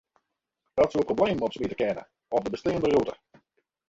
Dat soe problemen opsmite kinne op de besteande rûte.